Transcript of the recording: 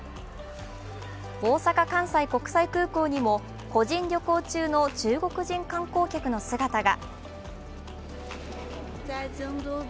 大阪関西国際空港にも個人旅行中の中国人観光客の姿が。